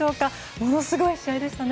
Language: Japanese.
ものすごい試合でしたね。